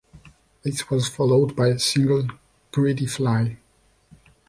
This was followed by single "Greedy Fly".